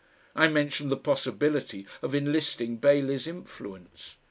I mentioned the possibility of enlisting Bailey's influence.